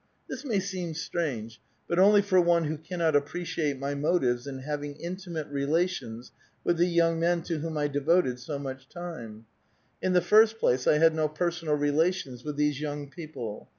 This may seem strange, but only for one who cannot appreciate my motives in having intimate relations with the young men to whom I devoted so much time. In the first place, I had no personal relations with these young people.